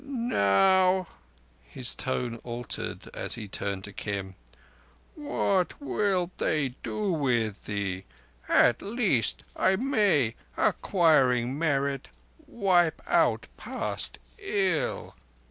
"Now,"—his tone altered as he turned to Kim,—"what will they do with thee? At least I may, acquiring merit, wipe out past ill."